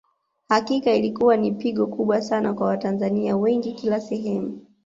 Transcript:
Hakika ilikuwa ni pigo kubwa Sana kwa Watanzania wengi kila sehemu